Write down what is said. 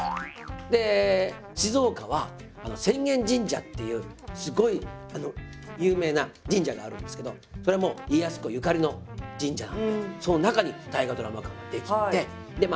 で静岡は浅間神社っていうすごい有名な神社があるんですけどそれも家康公ゆかりの神社なんでその中に大河ドラマ館が出来てでまあ